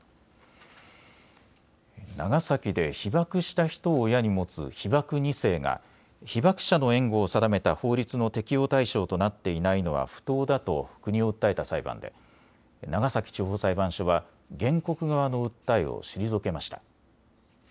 長崎で被爆した人を親に持つ被爆２世が被爆者の援護を定めた法律の適用対象となっていないのは不当だと国を訴えた裁判で長崎地方裁判所は原告側の訴えを退けました。